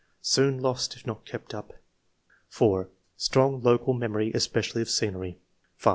soon lost if not kept up." 4. " Strong local memory especially of scenery, >> 5.